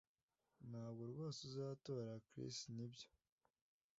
Ntabwo rwose uzatora Chris nibyo